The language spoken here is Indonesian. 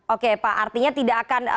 oke pak artinya tidak akan